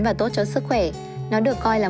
và tốt cho sức khỏe nó được coi là